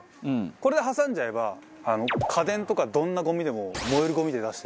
これで挟んじゃえば家電とかどんなゴミでも燃えるゴミで出していい。